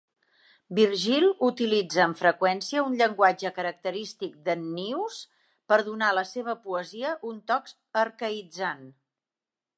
Virgil utilitza, amb freqüència, un llenguatge característic d"Ennius, per donar a la seva poesia un toc arcaïtzant.